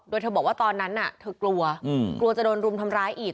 โดยเธอบอกว่าตอนนั้นเธอกลัวกลัวจะโดนรุมทำร้ายอีก